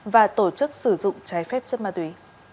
và tổ chức sử dụng trái phép chất ma túy